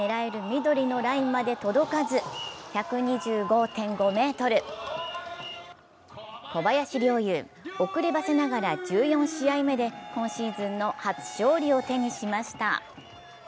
緑のラインまで届かず１２５．５ｍ、小林陵侑、遅ればせながら１４試合目で今シーズンの初勝利を手にしました。